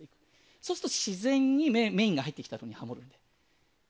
そうすると自然にメインが入ってきた時にハモれます。